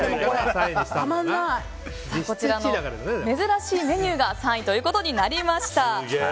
こちらの珍しいメニューが３位となりました。